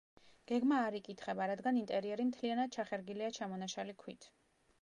გეგმა არ იკითხება, რადგან ინტერიერი მთლიანად ჩახერგილია ჩამონაშალი ქვით.